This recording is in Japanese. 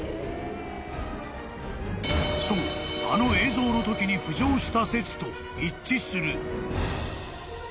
［そうあの映像のときに浮上した説と一致する］